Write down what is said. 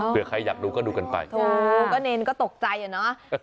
เพื่อใครอยากดูก็ดูกันไปถูกก็เนรก็ตกใจอ่ะเนอะ